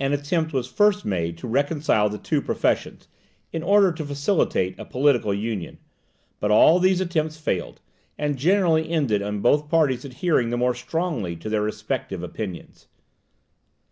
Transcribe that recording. An attempt was first made to reconcile the two professions, in order to facilitate a political union; but all these attempts failed, and generally ended in both parties adhering the more strongly to their respective opinions.